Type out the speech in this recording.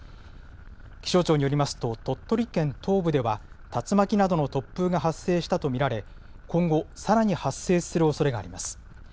気象庁によりますと、鳥取県東部では竜巻などの突風が発生したと見られ、今後、さらに発生するおそれがあります。